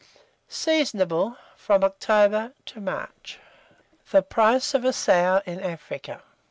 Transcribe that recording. Seasonable from October to March. THE PRICE OF A SOW IN AFRICA.